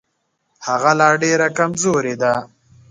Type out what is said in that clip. هغه لا ډېره کمزورې ده.